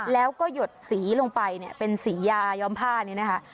แล้วก็หยดสีลงไปเนี่ยเป็นสียาย้อมผ้านี้นะคะ